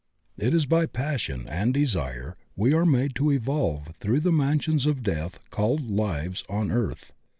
* It is by passion and desire we are made to evolve through the mansions of death called lives on earth.